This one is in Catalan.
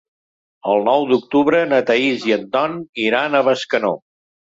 El nou d'octubre na Thaís i en Ton iran a Bescanó.